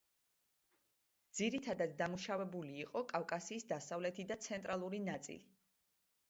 ძირითადად დამუშავებული იყო კავკასიის დასავლეთი და ცენტრალური ნაწილი.